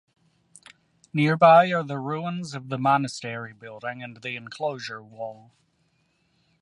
Nearby are the ruins of the monastery building and the enclosure wall.